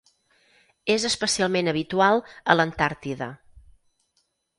Es especialment habitual a l'Antàrtida.